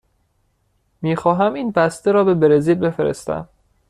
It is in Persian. می خواهم این بسته را به برزیل بفرستم.